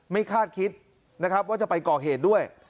คาดคิดนะครับว่าจะไปก่อเหตุด้วย